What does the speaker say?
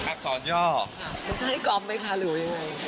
เป็นใช้จอปไหมคะหรือยังเอาอย่างไร